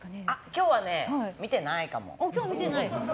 今日は見てないかも。